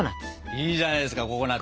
いいじゃないですかココナツ！